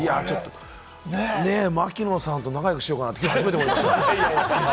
槙野さんと仲良くしようかなって初めて思いました。